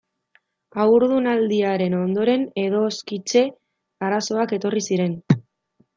Haurdunaldiaren ondoren edoskitze arazoak etorri ziren.